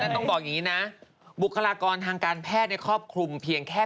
ต้องบอกอย่างนี้นะบุคลากรทางการแพทย์ครอบคลุมเพียงแค่